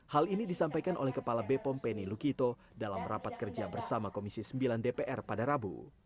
hal ini disampaikan oleh kepala bepom penny lukito dalam rapat kerja bersama komisi sembilan dpr pada rabu